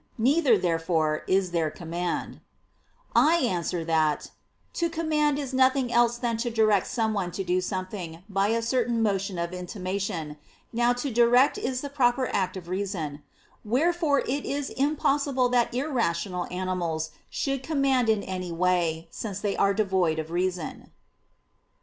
Neither, therefore, is there command. I answer that, To command is nothing else than to direct someone to do something, by a certain motion of intimation. Now to direct is the proper act of reason. Wherefore it is impossible that irrational animals should command in any way, since they are devoid of reason.